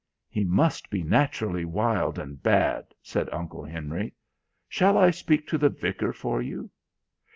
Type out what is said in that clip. "He must be naturally wild and bad," said Uncle Henry. "Shall I speak to the Vicar for you?"